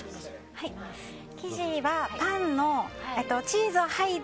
生地はパンのチーズを剥いだ